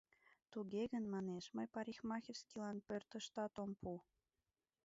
— Туге гын, манеш, мый парикмахерскийлан пӧртшымат ом пу...